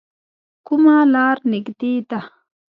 کومه لار نږدې ده؟